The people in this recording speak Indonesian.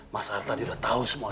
mas arta dia udah tau semua